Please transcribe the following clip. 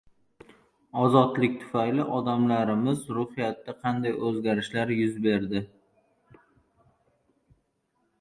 ozodlik tufayli odamlarimiz ruhiyatida qanday o‘zgarishlar yuz berdi?